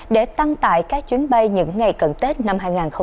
để tăng tải các chuyến bay những ngày cận tết năm hai nghìn hai mươi